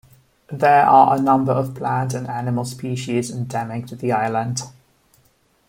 There are a number of plant and animal species endemic to the island.